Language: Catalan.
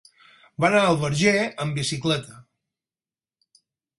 Va anar al Verger amb bicicleta.